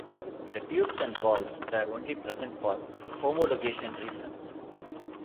The tubes and valves were only present for homologation reasons.